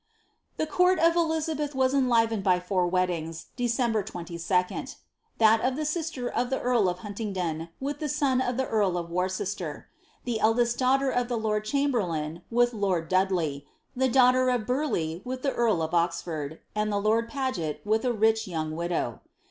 The court of Elizabeth was enlivened by four weddings, December 22; that of the sister of the earl of Huntingdon with the son of the earl of Worcester, the eldest daugliter of the lord cliamberlain with lord Dudley, the daughter of Burleigh with the earl of Oxford, and the lord PaM?et with a rich young widow.